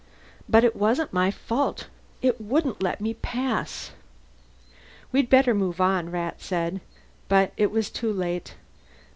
"But it wasn't my fault. It wouldn't let me pass." "We'd better move on," Rat said. But it was too late.